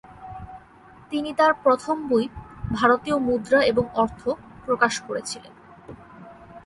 তিনি তার প্রথম বই, ভারতীয় মুদ্রা এবং অর্থ প্রকাশ করেছিলেন।